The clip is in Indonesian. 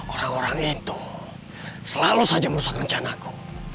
orang orang itu selalu saja merusak rencanaku